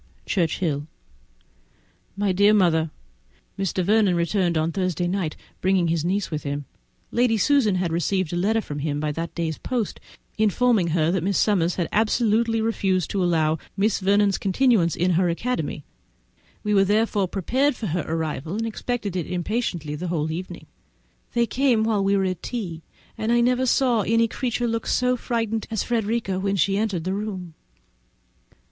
_ Churchhill. My dear Mother,—Mr. Vernon returned on Thursday night, bringing his niece with him. Lady Susan had received a line from him by that day's post, informing her that Miss Summers had absolutely refused to allow of Miss Vernon's continuance in her academy; we were therefore prepared for her arrival, and expected them impatiently the whole evening. They came while we were at tea, and I never saw any creature look so frightened as Frederica when she entered the room.